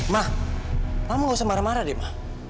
ma mama enggak usah marah marah deh ma